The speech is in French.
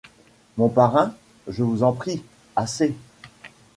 Mon parrain ?… je vous en prie !… assez.